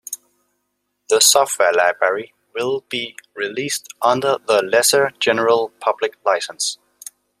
The software library will be released under the Lesser General Public License.